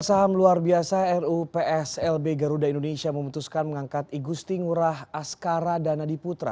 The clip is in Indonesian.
perusahaan luar biasa rups lb garuda indonesia memutuskan mengangkat igusti ngurah askara danadiputra